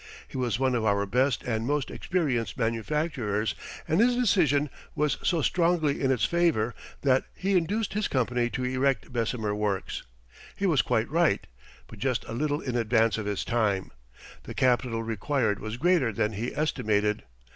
He was one of our best and most experienced manufacturers, and his decision was so strongly in its favor that he induced his company to erect Bessemer works. He was quite right, but just a little in advance of his time. The capital required was greater than he estimated.